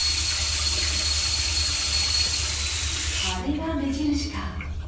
あれが目印か！